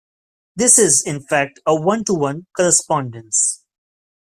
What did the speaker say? This is in fact a one-to-one correspondence.